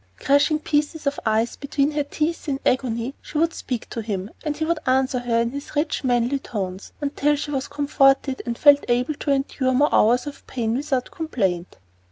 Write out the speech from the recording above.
Crushing pieces of ice between her teeth in agony, she would speak to him and he would answer her in his rich, manly tones until she was comforted and felt able to endure more hours of pain without complaint.